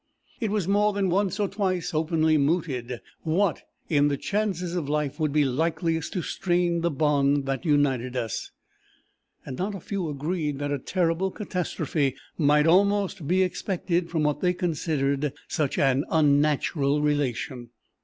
It was more than once or twice openly mooted what, in the chances of life, would be likeliest to strain the bond that united us. Not a few agreed that a terrible catastrophe might almost be expected from what they considered such an unnatural relation.